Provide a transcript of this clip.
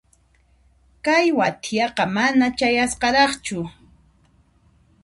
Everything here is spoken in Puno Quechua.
Kay wathiaqa mana chayasqaraqchu.